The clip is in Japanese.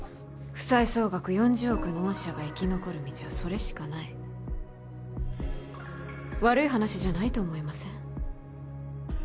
負債総額４０億の御社が生き残る道はそれしかない悪い話じゃないと思いません？